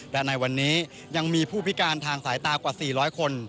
และในวันนี้ยังมีผู้พิการทางสายตากว่า๔๐๐คน